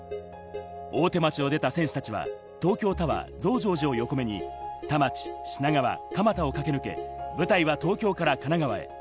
大手町を出た選手たちは東京タワー、増上寺を横目に田町、品川、蒲田を駆け抜け、舞台は東京から神奈川へ。